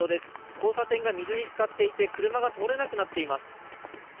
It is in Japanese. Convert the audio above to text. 交差点が水につかっていて車が通れなくなっています。